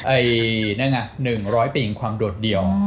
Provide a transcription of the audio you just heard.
ไอ้นั่นไงหนึ่งร้อยปีงความโดดเดียว